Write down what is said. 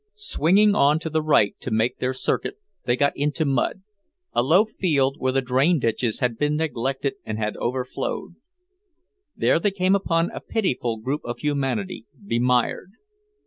Swinging on to the right to make their circuit, they got into mud; a low field where the drain ditches had been neglected and had overflowed. There they came upon a pitiful group of humanity, bemired.